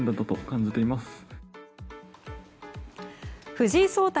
藤井聡太